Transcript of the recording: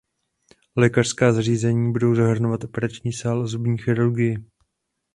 Lékařská zařízení budou zahrnovat operační sál a zubní chirurgii.